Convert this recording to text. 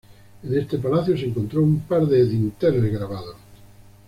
En este palacio se encontró un par de dinteles grabados.